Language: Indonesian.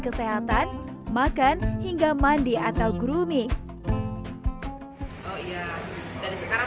kesehatan makan hingga mandi atau grooming